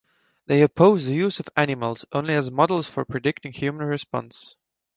They oppose the use of animals only as models for predicting human response.